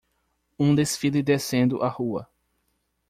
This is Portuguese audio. Um desfile descendo a rua.